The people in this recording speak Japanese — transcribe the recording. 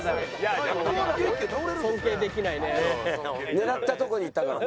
狙ったとこにいったからね。